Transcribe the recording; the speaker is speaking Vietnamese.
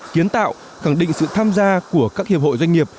kiến tạo khẳng định sự tham gia của các hiệp hội doanh nghiệp